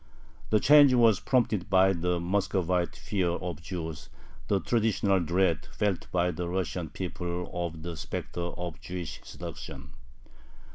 The change was prompted by the Muscovite fear of Jews, the traditional dread felt by the Russian people of the specter of "Jewish seduction."